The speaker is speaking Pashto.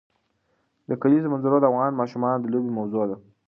د کلیزو منظره د افغان ماشومانو د لوبو موضوع ده.